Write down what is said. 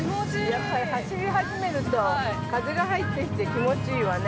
◆やっぱり走り始めると風が入ってきて気持ちいいわね。